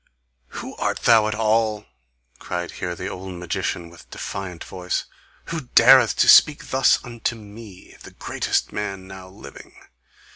"Who art thou at all!" cried here the old magician with defiant voice, "who dareth to speak thus unto ME, the greatest man now living?"